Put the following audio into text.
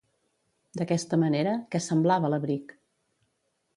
D'aquesta manera, què semblava l'abric?